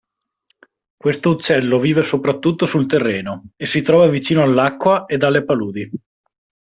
Questo uccello vive soprattutto sul terreno e si trova vicino all'acqua ed alle paludi.